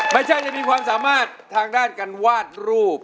ไม่ใช่มีความสามารถทางด้านการวาดรูป